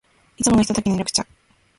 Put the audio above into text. いつものひとときに、緑茶。